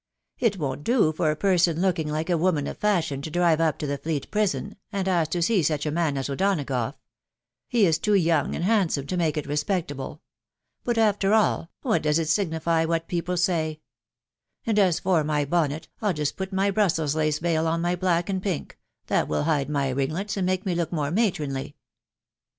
" It won't do for a person looking like a woman of fashion to drive up to the Fleet Prison, and ask t» tsea %\\k&^tmss^^ O'Donagough. .... He is too ^o\x\\^ axAYfl»ifcMR»»^,wl! 412 THE WIDOW BARNABY. it respectable. ... But, after all, what does it signify what people say ?.... And as for my bonnet, I'll just put my Brussels lace veil on my black and pink ; that will hide my ringlets, and make me look more matronly."